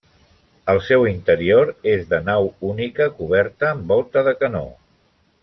El seu interior és de nau única coberta amb volta de canó.